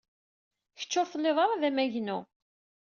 Kečč ur tellid ara d amagnu.